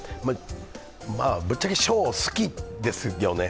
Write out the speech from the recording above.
ぶっちゃけショーは好きですよね。